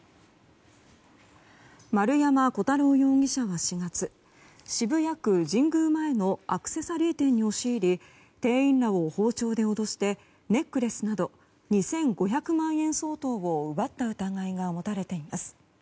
丸山虎太郎容疑者は４月渋谷区神宮前のアクセサリー店に押し入り店員らを包丁で脅してネックレスなど２５００万円相当を奪った疑いが持たれています。